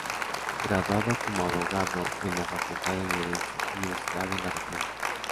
Graduado como abogado en la Facultad de Derecho, Universidad de la República.